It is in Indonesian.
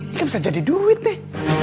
ini kan bisa jadi duit deh